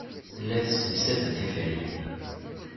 La tessemsadem tiferyin.